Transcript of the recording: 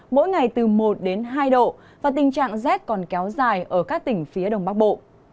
mỗi ngày từ một đến hai độ và tình trạng rét còn kéo dài ở các tỉnh phía đông bắc bộ